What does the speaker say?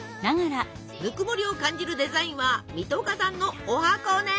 ぬくもりを感じるデザインは水戸岡さんのおはこね！